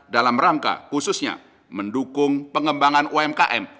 dalam rangka khususnya mendukung pengembangan umkm